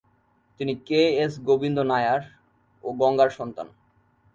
তিনি K S Govinda Nair ও গঙ্গার সন্তান।